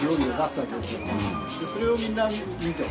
それをみんな見て。